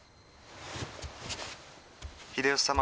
「秀吉様